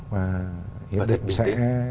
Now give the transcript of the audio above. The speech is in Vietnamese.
và hiệp định sẽ